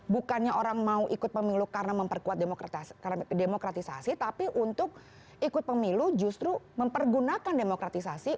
bukannya orang mau ikut pemilu karena memperkuat demokratisasi tapi untuk ikut pemilu justru mempergunakan demokratisasi